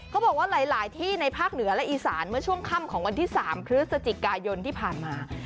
เขาบอกว่าหลายที่ในภาคเหนือและอีสานเมื่อช่วงค่ำของวันที่๓พฤศจิกายนที่ผ่านมา